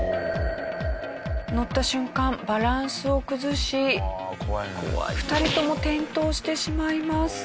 乗った瞬間バランスを崩し２人とも転倒してしまいます。